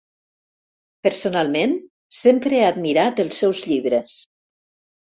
Personalment, sempre he admirat els seus llibres.